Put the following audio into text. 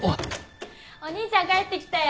お兄ちゃん帰ってきたよ。